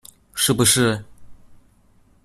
是不是